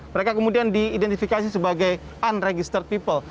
mereka kemudian diidentifikasi sebagai unregister people